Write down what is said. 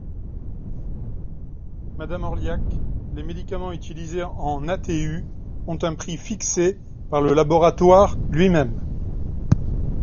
Madame Orliac, les médicaments utilisés en ATU ont un prix fixé par le laboratoire lui-même.